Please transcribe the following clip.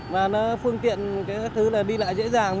và nó phương tiện cái thứ là đi lại dễ dàng